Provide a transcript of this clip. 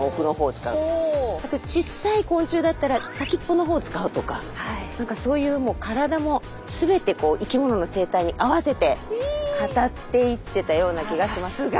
ちっさい昆虫だったら先っぽのほうを使うとかそういう体も全て生きものの生態に合わせて語っていってたような気がします。